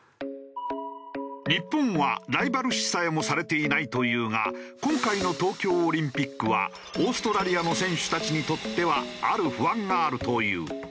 日本はライバル視さえもされていないというが今回の東京オリンピックはオーストラリアの選手たちにとってはある不安があるという。